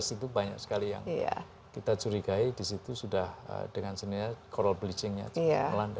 dua ribu lima belas itu banyak sekali yang kita curigai disitu sudah dengan senilai coral bleachingnya